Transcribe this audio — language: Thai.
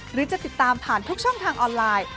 หรือจะติดตามผ่านทุกช่องทางออนไลน์